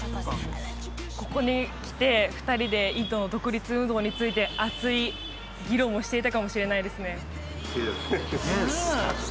ここに来て２人でインドの独立運動について熱い議論をしていたかもしれないですね